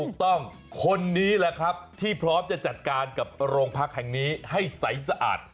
ถูกต้องคนนี้แหละครับที่พร้อมจะจัดการกับโรงพักแห่งนี้ให้ใสสะอาด